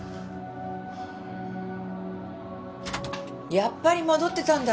やっぱり戻ってたんだ。